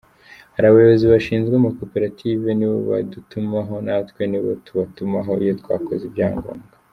Hari abayobozi bashinzwe amakoperative nibo badutumaho natwe nibo tubatumaho iyo twakoze ibyangombwa.